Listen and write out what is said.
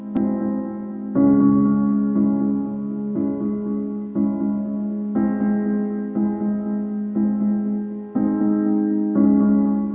ขอบคุณทุกคนที่รับรับความรับของเรา